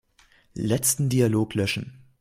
Letzten Dialog löschen.